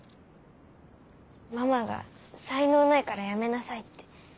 ママが「才能ないからやめなさい」って。